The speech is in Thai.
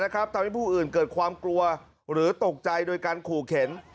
กล่าวหานะครับตามที่ผู้อื่นเกิดความกลัวหรือตกใจโดยการขู่เข็น